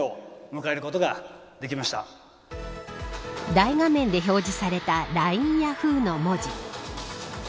大画面で表示されたＬＩＮＥヤフーの文字。